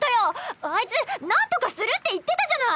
あいつなんとかするって言ってたじゃない！